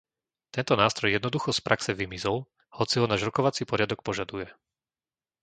Tento nástroj jednoducho z praxe vymizol, hoci ho náš rokovací poriadok požaduje.